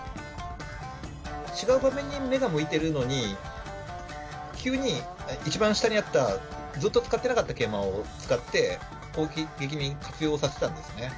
違う場面に目が向いてるのに、急に一番下にあった、ずっと使っていなかった桂馬を使って、攻撃的に活用させたんですね。